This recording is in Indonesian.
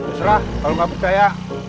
terserah kalau gak percaya